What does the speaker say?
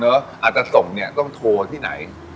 อาจจะส่งเนี่ยต้องโทรที่ไหน